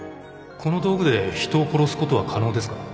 この道具で人を殺すことは可能ですか？